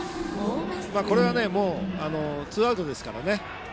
これはもうツーアウトですからね。